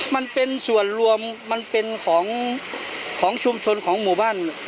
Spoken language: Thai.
มันเป็นส่วนรวมมันเป็นของของชุมชนของหมู่บ้าน